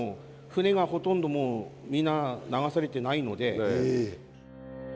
船がほとんどもうみんな流されてないので。